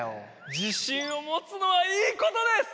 自信をもつのはいいことです！